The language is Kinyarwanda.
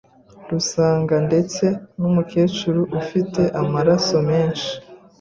rusanga ndetse n'umukecuru afite amaraso menshi